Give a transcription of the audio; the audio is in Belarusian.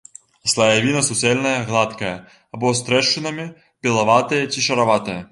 Слаявіна суцэльная гладкая або з трэшчынамі, белаватая ці шараватая.